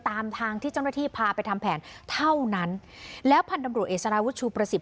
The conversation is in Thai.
ตามทางที่เจ้าหน้าที่พาไปทำแผนเท่านั้นแล้วพันธุ์ตำรวจเอกสารวุฒิชูประสิท